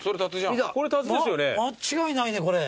間違いないねこれ。